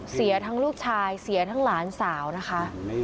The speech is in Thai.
เสียทั้งลูกชายเสียทั้งหลานสาวนะคะ